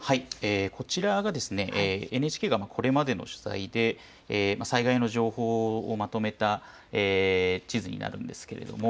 こちらはＮＨＫがこれまでの取材で災害の情報をまとめた地図になるんですが